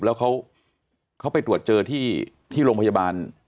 แล้วเขาไปตรวจเจอที่โรงพยาบาล